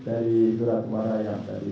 dari surat suara yang tadi